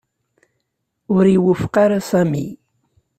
Ur iwufeq ara Sami.